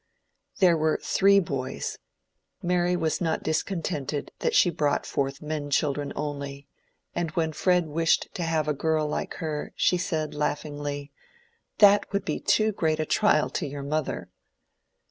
There were three boys: Mary was not discontented that she brought forth men children only; and when Fred wished to have a girl like her, she said, laughingly, "that would be too great a trial to your mother."